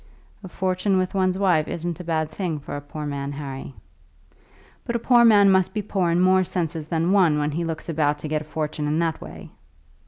"A fortune with one's wife isn't a bad thing for a poor man, Harry." "But a poor man must be poor in more senses than one when he looks about to get a fortune in that way."